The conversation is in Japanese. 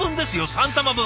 ３玉分。